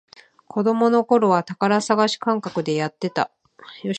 子供のころは宝探し感覚でやってた